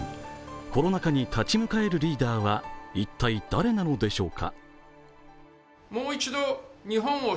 コロナ禍に立ち向かえるリーダーは一体誰なのでしょうか？